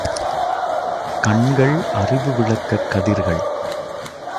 கண்கள் அறிவு விளக்கக் கதிர்கள்.